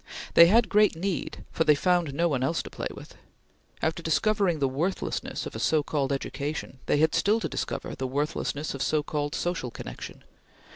They had great need, for they found no one else to play with. After discovering the worthlessness of a so called education, they had still to discover the worthlessness of so called social connection.